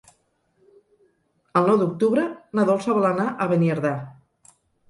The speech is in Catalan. El nou d'octubre na Dolça vol anar a Beniardà.